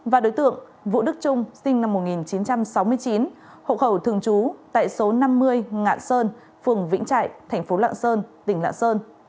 và đối tượng vũ đức trung sinh năm một nghìn chín trăm sáu mươi chín hộ khẩu thường trú tại số năm mươi ngạn sơn phường vĩnh trại thành phố lạng sơn tỉnh lạng sơn